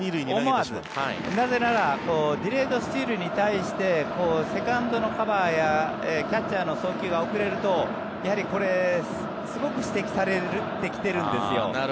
なぜならディレードスチールに対してセカンドのカバーやキャッチャーの送球が遅れるとやはりこれ、すごく指摘されてきてるんですよね。